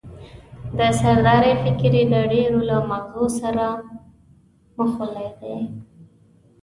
د سردارۍ فکر یې د ډېرو له مغزو سره مښلولی دی.